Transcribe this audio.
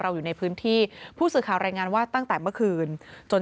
อยู่ในพื้นที่ผู้สื่อข่าวรายงานว่าตั้งแต่เมื่อคืนจน